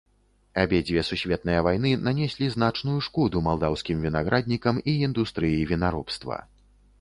Абедзве сусветныя вайны нанеслі значную шкоду малдаўскім вінаграднікам і індустрыі вінаробства.